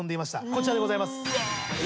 こちらでございます。